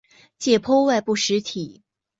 解析外部实体。